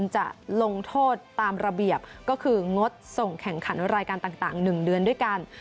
จะงดส่งแข่งขันรายการต่าง๑เดือนด้วยกัน